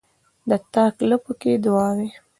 د تاک لپو کښې دعاوې،